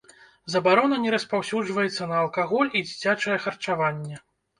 Забарона не распаўсюджваецца на алкаголь і дзіцячае харчаванне.